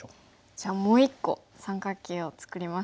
じゃあもう１個三角形を作ります。